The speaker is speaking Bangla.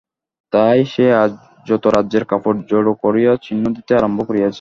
তাই সে আজ যত রাজ্যের কাপড় জড়ো করিয়া চিহ্ন দিতে আরম্ভ করিয়াছে।